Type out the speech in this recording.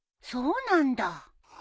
そうなんだ。